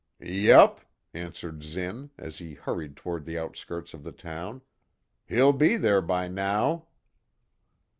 "Yup," answered Zinn, as he hurried toward the outskirts of the town, "He'll be there by now."